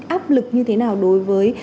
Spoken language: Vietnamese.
áp lực như thế nào đối với